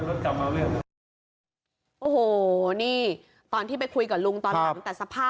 มันรถกลับมาเรื่องโอ้โหนี่ตอนที่ไปคุยกับลุงตอนหรือ